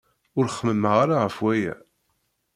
Ur xemmemeɣ ara ɣef waya.